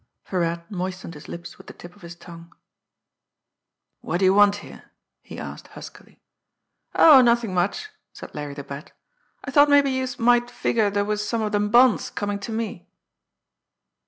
Virat moistened his lips with the tip of his tongue. "What do you want here?" he asked huskily. "Oh, nothin' much," said Larry the Bat airily. "I thought mabbe youse might figure dere was some of dem bonds comin' ter me."